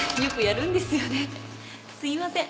すみません